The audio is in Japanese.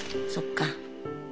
そっか。